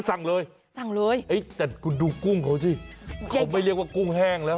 สั่งเลยสั่งเลยเอ้ยแต่คุณดูกุ้งเขาสิเขาไม่เรียกว่ากุ้งแห้งแล้ว